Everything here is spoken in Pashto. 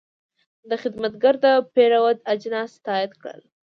دا خدمتګر د پیرود اجناس تایید کړل.